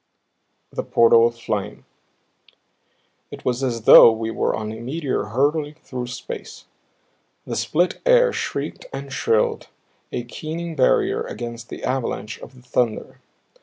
THE PORTAL OF FLAME It was as though we were on a meteor hurtling through space. The split air shrieked and shrilled, a keening barrier against the avalanche of the thunder.